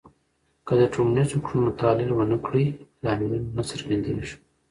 که د ټولنیزو کړنو تحلیل ونه کړې، لاملونه نه څرګندېږي.